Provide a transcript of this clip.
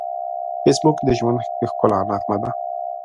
فېسبوک د ژوند د ښکلا نغمه ده